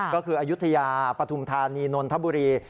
ก็คืออายุทยาปฐุมธานีนนทบุรี